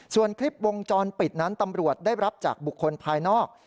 ส่วนคลิปวงจรปิดนั้นตำรวจได้รับจากบุคคลภายนอก